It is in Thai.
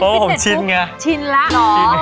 เพราะว่าฉินแง